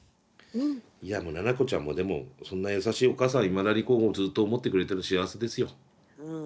いやもうナナコちゃんもでもそんな優しいお母さんいまだにずっと思ってくれてるの幸せですよ。